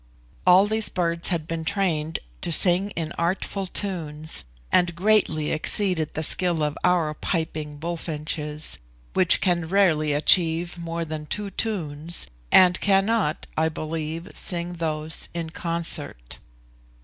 All these birds had been trained to sing in artful tunes, and greatly exceeded the skill of our piping bullfinches, which can rarely achieve more than two tunes, and cannot, I believe, sing those in concert.